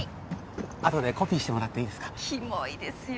あとでコピーしてもらっていいですかキモいですよ